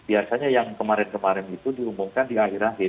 biasanya yang kemarin kemarin itu diumumkan di akhir akhir